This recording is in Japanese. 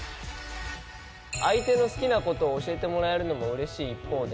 相手の好きな事を教えてもらえるのが嬉しい一方で。